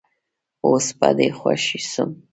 اوس به دي خوښ سم